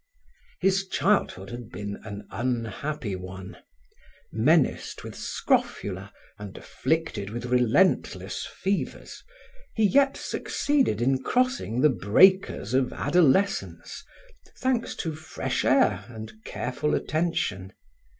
His childhood had been an unhappy one. Menaced with scrofula and afflicted with relentless fevers, he yet succeeded in crossing the breakers of adolescence, thanks to fresh air and careful attention.